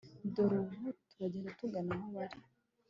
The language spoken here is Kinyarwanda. dore ubu turagenda tugana aho bari